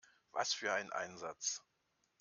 Was für ein Einsatz!